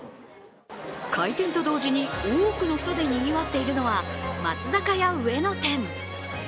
開店と同時に多くの人でにぎわっているのは松坂屋上野店。